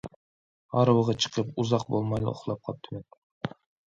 ھارۋىغا چىقىپ ئۇزاق بولمايلا ئۇخلاپ قاپتىمەن.